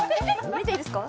見ていいですか？